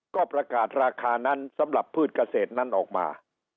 ก็ประกาศราคานั้นสำหรับพืชเกษตรนั้นออกมา